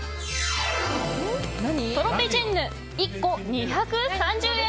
トロペジェンヌ、１個２３０円。